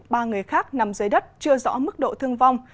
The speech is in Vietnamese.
ba người khác nằm dưới đất chưa rõ mức độ thương vong